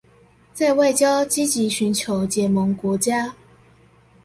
在外交積極尋求結盟國家